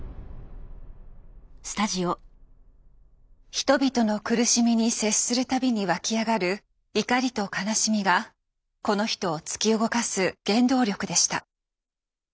人々の苦しみに接する度に湧き上がる怒りと悲しみがこの人を突き動かす原動力でした。